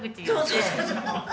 そうそうそう。